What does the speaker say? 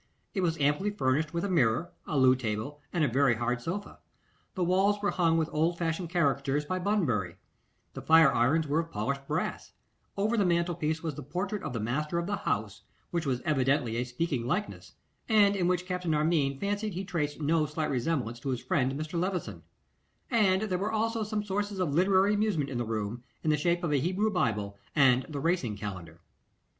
It was amply furnished with a mirror, a loo table, and a very hard sofa. The walls were hung with old fashioned caricatures by Bunbury; the fire irons were of polished brass; over the mantel piece was the portrait of the master of the house, which was evidently a speaking likeness, and in which Captain Armine fancied he traced no slight resemblance to his friend Mr. Levison; and there were also some sources of literary amusement in the room, in the shape of a Hebrew Bible and the Racing Calendar.